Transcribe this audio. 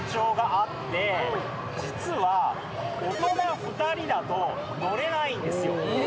実は大人２人だと乗れないんですよ。